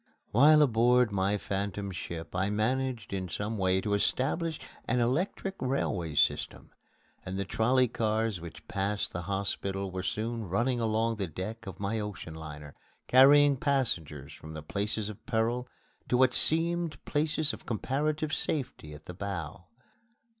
While aboard my phantom ship I managed in some way to establish an electric railway system; and the trolley cars which passed the hospital were soon running along the deck of my ocean liner, carrying passengers from the places of peril to what seemed places of comparative safety at the bow.